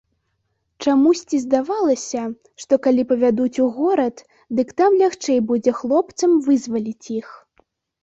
Чамусьці здавалася, што калі павядуць у горад, дык там лягчэй будзе хлопцам вызваліць іх.